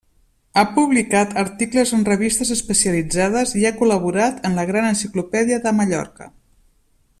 Ha publicat articles en revistes especialitzades i ha col·laborat en la Gran Enciclopèdia de Mallorca.